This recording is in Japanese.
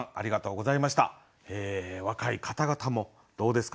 若い方々もどうですか？